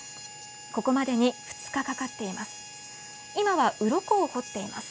ここまでに２日かかっています。